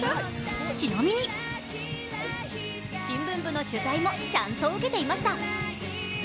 ちなみに、新聞部の取材もちゃんと受けていました。